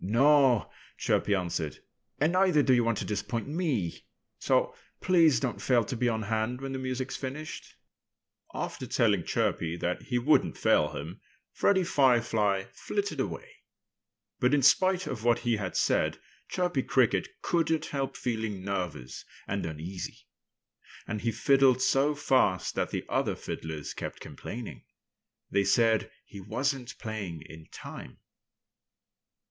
"No!" Chirpy answered. "And neither do you want to disappoint me. So please don't fail to be on hand when the music's finished." After telling Chirpy that he wouldn't fail him, Freddie Firefly flitted away. But in spite of what he had said Chirpy Cricket couldn't help feeling nervous and uneasy. And he fiddled so fast that the other fiddlers kept complaining. They said he wasn't playing in time.